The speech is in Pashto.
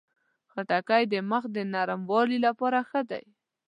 خټکی د مخ د نرموالي لپاره ښه دی.